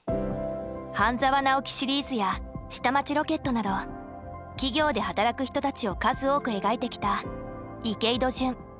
「半沢直樹」シリーズや「下町ロケット」など企業で働く人たちを数多く描いてきた池井戸潤。